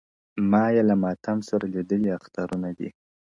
ما یې له ماتم سره لیدلي اخترونه دي!